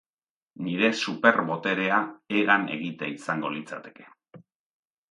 Nire super boterea hegan egitea izango litzateke.